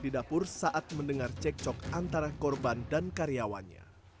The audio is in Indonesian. di dapur saat mendengar cek cok antara korban dan karyawannya